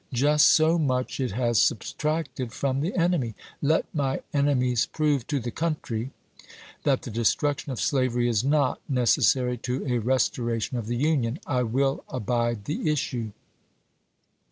Just so much it has subtracted from the enemy. .. Let my en emies prove to the country that the destruction of slavery is not necessary to a restoration of the Union ; I will abide the issue."